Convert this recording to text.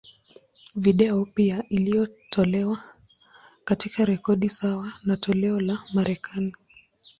Video pia iliyotolewa, katika rekodi sawa na toleo la Marekani.